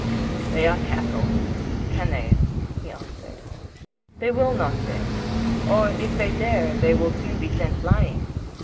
"They are cattle—canaille," he answered. "They will not dare, or if they dare they will soon be sent flying.